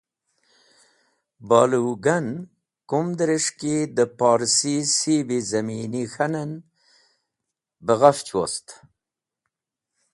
Balowgan, kumdres̃h ki dẽ Porsi sib-e zamini k̃hane, be ghafch wost.